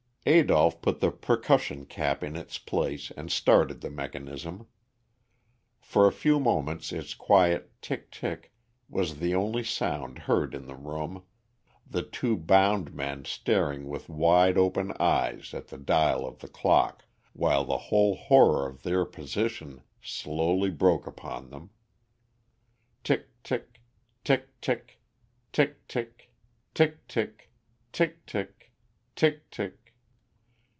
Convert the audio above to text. Adolph put the percussion cap in its place and started the mechanism. For a few moments its quiet tick tick was the only sound heard in the room, the two bound men staring with wide open eyes at the dial of the clock, while the whole horror of their position slowly broke upon them. Tick tick, tick tick, tick tick, tick tick, tick tick, tick tick.